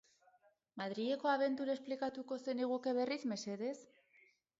Madrileko abentura esplikatuko zeniguke berriz, mesedez?